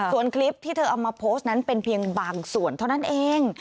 ส่วนคลิปที่เธอเอามาโพสต์นั้นเป็นเพียงบางส่วนเท่านั้นเอง